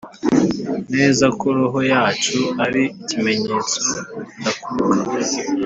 neza ko roho yacu ari ikimenyetso ndakuka